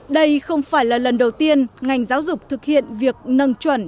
đây không phải là lần đầu tiên ngành giáo dục thực hiện việc nâng chuẩn